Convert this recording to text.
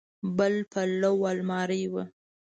بل پلو المارۍ وه.